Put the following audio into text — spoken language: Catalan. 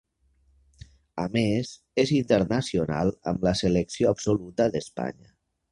A més, és internacional amb la selecció absoluta d'Espanya.